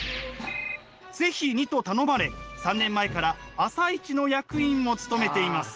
「是非に」と頼まれ３年前から朝市の役員も務めています。